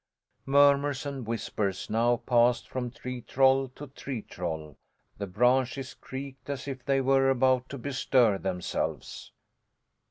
Murmurs and whispers now passed from tree troll to tree troll; the branches creaked as if they were about to bestir themselves.